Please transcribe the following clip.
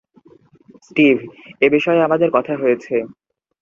Steve, এ বিষয়ে আমাদের কথা হয়েছে।